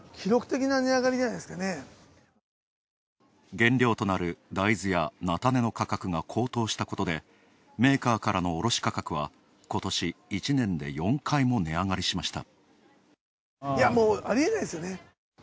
原料となる大豆や菜種の価格が高騰したことでメーカーからの卸価格はことし１年で４回も値上がりしました。